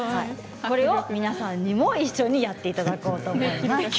これを皆さんにもやっていただこうと思います。